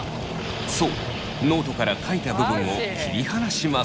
そうノートから書いた部分を切り離します。